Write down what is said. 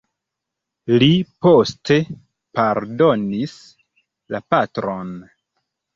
Li poste pardonis la patron.